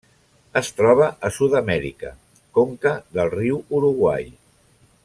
Es troba a Sud-amèrica: conca del riu Uruguai.